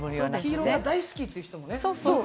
黄色が大好きという人もね。